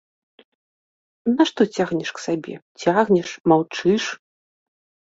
Нашто цягнеш к сабе, цягнеш, маўчыш?